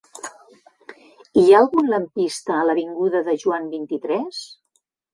Hi ha algun lampista a l'avinguda de Joan vint-i-tres?